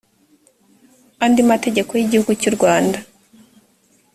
andi mategeko y igihugu cy u rwanda